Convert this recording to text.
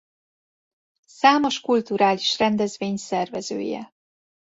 Számos kulturális rendezvény szervezője.